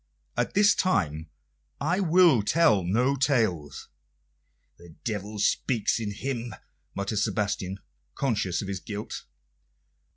At this time I will tell no tales." "The devil speaks in him," muttered Sebastian, conscious of his guilt.